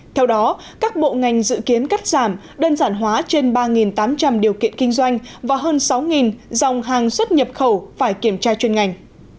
theo đó các bộ ngành dự kiến cắt giảm đơn giản hóa trên ba tám trăm linh điều kiện kinh doanh và hơn sáu dòng hàng xuất nhập khẩu phải kiểm tra chuyên ngành